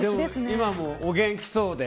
今も、お元気そうで。